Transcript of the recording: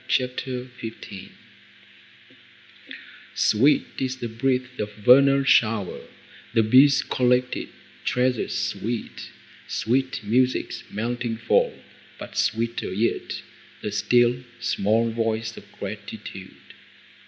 CHAPTER XV Sweet is the breath of vernal shower, The bees' collected treasures sweet, Sweet music's melting fall, but sweeter yet The still, small voice of gratitude.